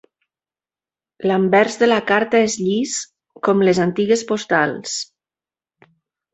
L"anvers de la carta és llis, com les antigues postals.